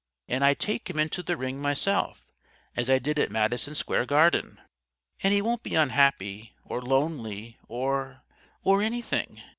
And I'd take him into the ring myself, as I did at Madison Square Garden. And he won't be unhappy or lonely or or anything.